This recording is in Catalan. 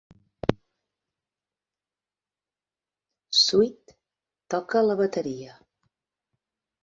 Sweet toca la bateria.